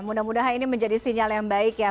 mudah mudahan ini menjadi sinyal yang baik ya